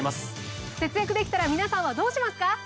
節約できたら皆さんはどうしますか？